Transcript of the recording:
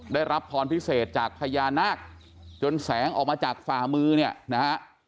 ได้รับพรพิเศษจากพญานาคจนแสงออกมาจากฝ่ามือเนี่ยนะฮะ